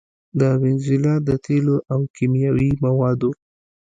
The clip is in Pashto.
د وينزويلا د تېلو او کيمياوي موادو